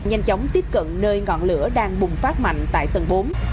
nhanh chóng tiếp cận nơi ngọn lửa đang bùng phát mạnh tại tầng bốn